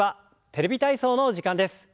「テレビ体操」の時間です。